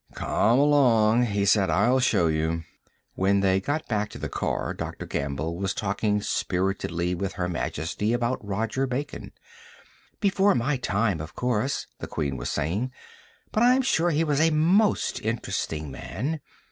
"Come along," he said. "I'll show you." When they got back to the car, Dr. Gamble was talking spiritedly with Her Majesty about Roger Bacon. "Before my time, of course," the Queen was saying, "but I'm sure he was a most interesting man.